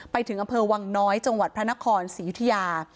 ไปถึงอำเภอวังน้อยจังหวัดพระนครศรียุธิยา